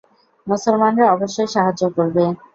মুসলমানরা অবশ্যই সাহায্য করবে।